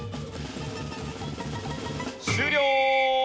終了！